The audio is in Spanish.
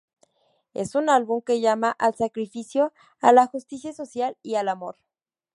Es un álbum que llama al sacrificio, a la justicia social y al amor".